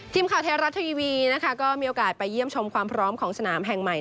ทีมข่าวไทยรัฐทีวีนะคะก็มีโอกาสไปเยี่ยมชมความพร้อมของสนามแห่งใหม่